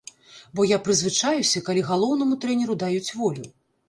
Бо я прызвычаіўся, калі галоўнаму трэнеру даюць волю!